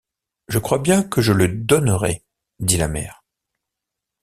Je crois bien que je le donnerai! dit la mère.